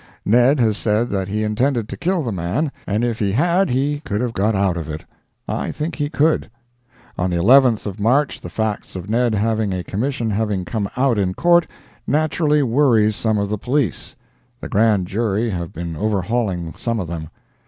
Ned has said that he intended to kill the man, and if he had he could have got out of it. I think he could. On the 11th of March, the facts of Ned having a commission having come out in Court, naturally worries some of the police; the Grand Jury have been overhauling some of them.